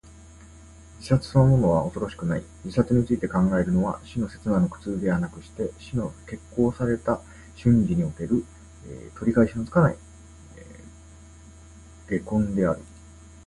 自殺そのものは恐ろしくない。自殺について考えるのは、死の刹那の苦痛ではなくして、死の決行された瞬時における、取り返しのつかない悔恨である。